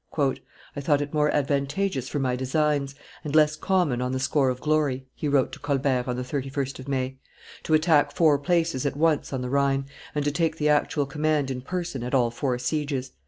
"I thought it more advantageous for my designs, and less common on the score of glory," he wrote to Colbert on the 31st of May, "to attack four places at once on the Rhine, and to take the actual command in person at all four sieges...